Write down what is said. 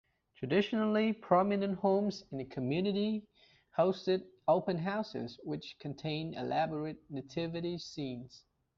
Traditionally, prominent homes in the community hosted open houses which contained elaborate Nativity scenes.